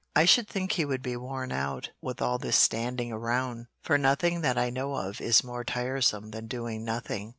I should think he would be worn out with all this standing around, for nothing that I know of is more tiresome than doing nothing."